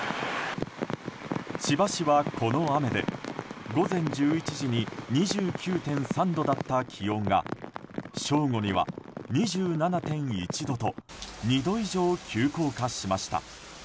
千葉市は、この雨で午前１１時に２９．３度だった気温が正午には２７．１度と２度以上急降下しました。